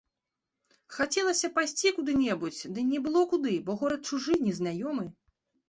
Хацелася пайсці куды-небудзь, ды не было куды, бо горад чужы, незнаёмы.